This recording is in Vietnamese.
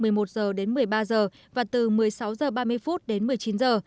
một mươi một h đến một mươi ba h và từ một mươi sáu h ba mươi đến một mươi chín h